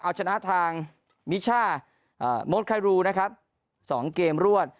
เอาชนะทางมิช่าโมดคารูนะครับ๒เกมรวด